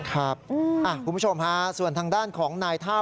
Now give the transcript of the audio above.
คุณผู้ชมฮะส่วนทางด้านของนายท่า